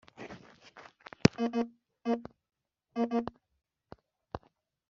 ngira ngo nshake ikigomwa cy’intore, aranga aramunshikana